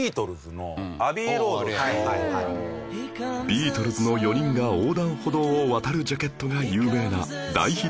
ビートルズの４人が横断歩道を渡るジャケットが有名な大ヒットアルバム